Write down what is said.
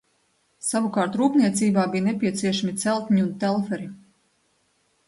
Savukārt rūpniecībā bija nepieciešami celtņi un telferi.